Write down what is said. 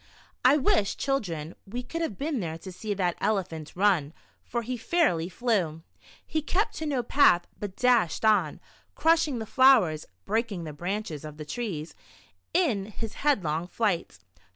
I wish, children, we could have been there to see that Elephant run — for he fairly flew. He kept to no path, but dashed on, crushing the flowers, breaking the branches of the trees, in his headlong flight.